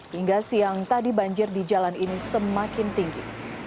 hingga siang tadi banjir di jalan ini semakin tinggi